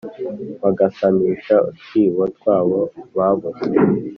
bagasamisha utwibo twabo baboshye.